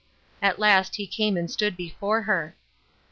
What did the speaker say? At last he came and stood before her.